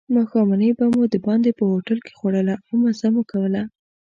ماښامنۍ به مو دباندې په هوټل کې خوړله او مزه مو کوله.